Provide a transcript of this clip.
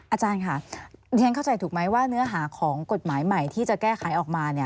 อาจารย์ค่ะเรียนเข้าใจถูกไหมว่าเนื้อหาของกฎหมายใหม่ที่จะแก้ไขออกมา